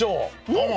どうも。